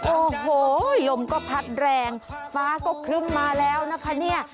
โอ้โหลมก็พัดแรงฟ้าก็ครึ้มมาแล้วนะคะเนี่ย